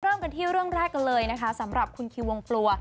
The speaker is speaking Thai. เริ่มกันที่เรื่องแรกกันเลยนะคะสำหรับคุณคิววงปลัว